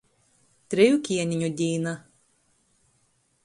Treju Kieneņu dīna.